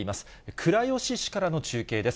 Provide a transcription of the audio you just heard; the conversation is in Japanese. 倉吉市からの中継です。